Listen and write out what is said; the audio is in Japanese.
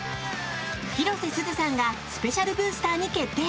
広瀬すずさんがスペシャルブースターに決定！